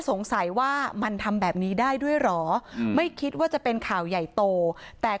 สงสัยว่ามันทำแบบนี้ได้ด้วยเหรอไม่คิดว่าจะเป็นข่าวใหญ่โตแต่